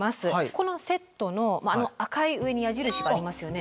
このセットのあの赤い上に矢印がありますよね？